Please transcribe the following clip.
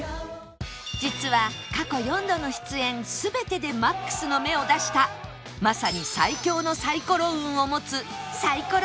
実は過去４度の出演全てでマックスの目を出したまさに最強のサイコロ運を持つサイコロ